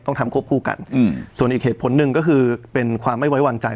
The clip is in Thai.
ต้องทำควบคู่กันส่วนอีกเหตุผลหนึ่งก็คือเป็นความไม่ไว้วางใจ